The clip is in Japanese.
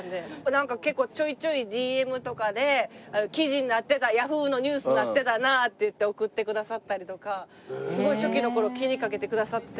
なんか結構ちょいちょいＤＭとかで「記事になってたＹａｈｏｏ！のニュースになってたな」っていって送ってくださったりとかすごい初期の頃気にかけてくださって。